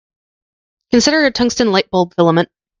Consider a tungsten light-bulb filament.